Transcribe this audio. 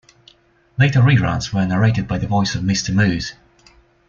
Later reruns were narrated by the voice of Mr. Moose.